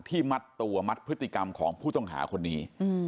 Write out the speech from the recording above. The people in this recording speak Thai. มัดตัวมัดพฤติกรรมของผู้ต้องหาคนนี้